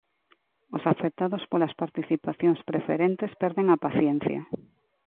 Os afectados polas participacións preferentes perden a paciencia.